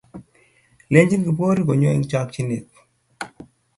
lechi Kipkorir konyo eng chakchinet